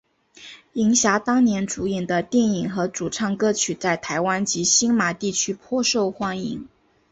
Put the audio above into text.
银霞当年主演的电影和主唱歌曲在台湾及星马地区颇受欢迎。